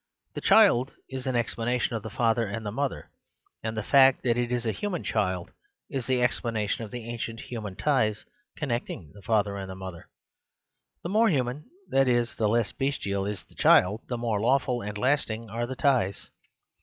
The child is an explanation of the father and mother; and the fact that it is a human child is the explanation of the ancient human ties connecting the father and mother. The more human, that is the less bestial, is the child, the more lawful and lasting are the ties.